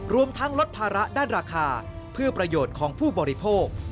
รวมทั้งลดภาระด้านราคาเพื่อประโยชน์ของผู้บริโภค